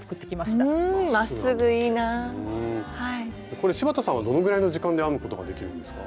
これ柴田さんはどのぐらいの時間で編むことができるんですか？